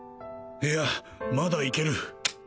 いやまだいける